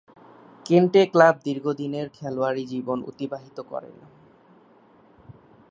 কেন্টে club দীর্ঘদিনের খেলোয়াড়ী জীবন অতিবাহিত করেন।